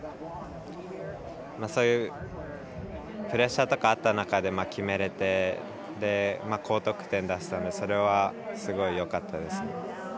そういうプレッシャーとかあった中で決めれて、高得点出せたのでそれは、すごいよかったです。